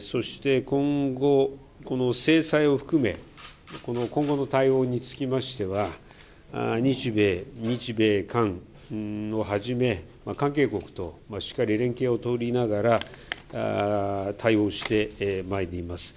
そして今後、制裁を含め、今後の対応につきましては、日米、日米韓をはじめ、関係国としっかり連携を取りながら、対応してまいります。